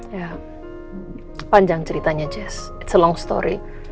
ya panjang ceritanya jess it's a long story